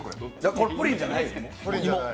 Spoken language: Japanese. これプリンじゃないですね。